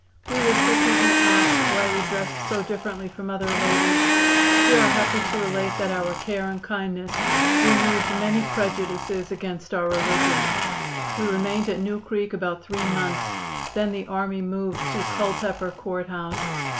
We were frequently asked why we dressed so differently from other ladies. We are happy to relate that our care and kindness removed many prejudices against our religion. We remained at New Creek about three months; then the army moved to Culpepper Court House.